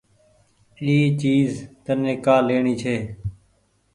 اي چيز تني ڪآ ليڻي ڇي۔